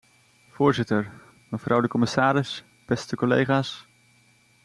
Voorzitter, mevrouw de commissaris, beste collega's.